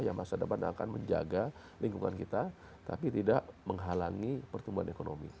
yang masa depan akan menjaga lingkungan kita tapi tidak menghalangi pertumbuhan ekonomi